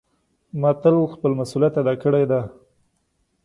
ما تل خپل مسؤلیت ادا کړی ده.